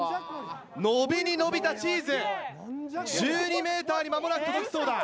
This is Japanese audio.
伸びに伸びたチーズ１２ｍに間もなく届きそうだ。